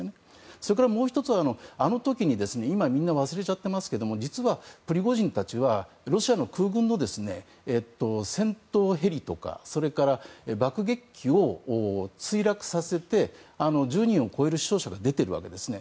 それからもう１つはあの時に、みんな忘れちゃってますけども実は、プリゴジンたちはロシアの空軍の戦闘ヘリとかそれから爆撃機を墜落させて１０人を超える死傷者が出てるわけですね。